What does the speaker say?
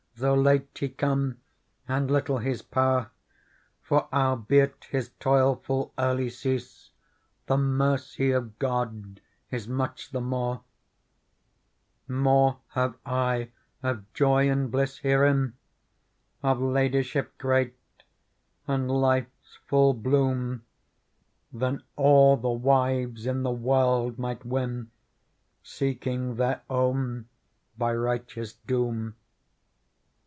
Though late he come and little his power ; For, albeit his toil full early cease. The mercy of God is much the more/ ^'More have I of joy and bliss herein. Of ladyship great and life's full bloom, Than all the wives in the world might win, Seeking their own by righteous doom.